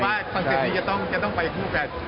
วันเสร็จนี้จะต้องไปกับคู่แฟน